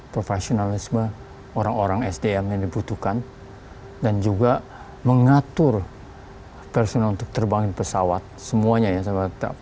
profesionalisme orang orang sdm yang dibutuhkan dan juga mengatur personal untuk terbangin pesawat semuanya ya